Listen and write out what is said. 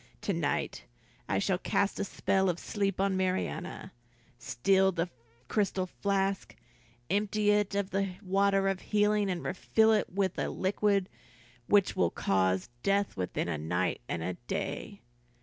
"To night I shall cast a spell of sleep on Marianna, steal the crystal flask, empty it of the water of healing, and refill it with a liquid which will cause death within a night and a day.